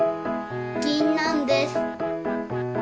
ぎんなんです。